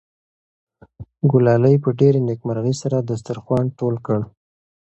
ګلالۍ په ډېرې نېکمرغۍ سره دسترخوان ټول کړ.